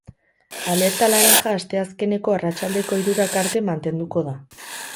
Alerta laranja asteazkeneko arratsaldeko hirurak arte mantenduko da.